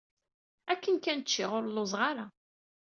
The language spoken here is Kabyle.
Akken kan ččiɣ, ur lluẓeɣ ara.